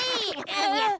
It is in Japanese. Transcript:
ああ。